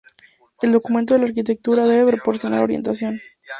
El documento de la arquitectura debe proporcionar orientación.